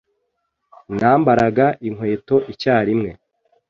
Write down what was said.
Nambaraga inkweto icyarimwe.